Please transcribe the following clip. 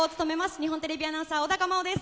日本テレビアナウンサー小高茉緒です。